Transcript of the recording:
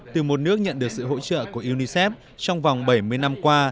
từ một nước nhận được sự hỗ trợ của unicef trong vòng bảy mươi năm qua